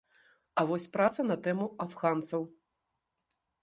А вось праца на тэму афганцаў.